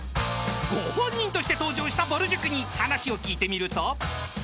⁉［ご本人として登場したぼる塾に話を聞いてみると］